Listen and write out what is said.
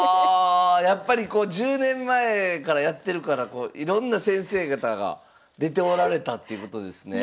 やっぱりこう１０年前からやってるからいろんな先生方が出ておられたっていうことですね。